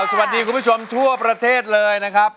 สวัสดีคุณผู้ชมทั่วประเทศเลยนะครับ